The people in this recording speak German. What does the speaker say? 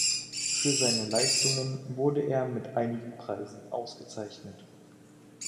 Für seine Leistungen wurde er mit einigen Preisen ausgezeichnet.